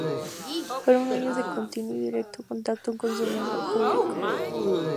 Fueron años de continuo y directo contacto con su mejor público.